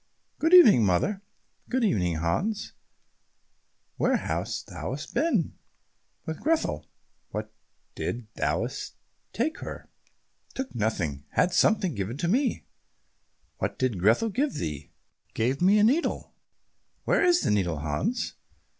"Good evening, mother." "Good evening, Hans. Where hast thou been?" "With Grethel." "What didst thou take her?" "Took nothing; had something given me." "What did Grethel give thee?" "Gave me a needle." "Where is the needle, Hans?"